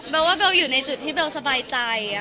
ว่าเบลอยู่ในจุดที่เบลสบายใจ